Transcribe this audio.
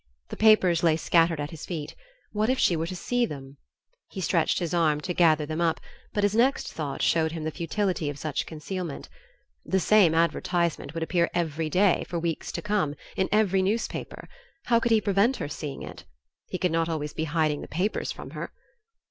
The papers lay scattered at his feet what if she were to see them? He stretched his arm to gather them up, but his next thought showed him the futility of such concealment. The same advertisement would appear every day, for weeks to come, in every newspaper; how could he prevent her seeing it? He could not always be hiding the papers from her....